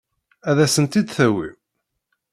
Ad asen-tt-id-tawim?